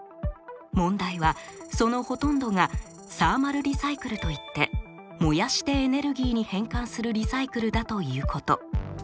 問題はそのほとんどがサーマルリサイクルといって燃やしてエネルギーに変換するリサイクルだということ。